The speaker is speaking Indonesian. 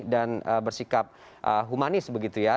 dan bersikap humanis begitu ya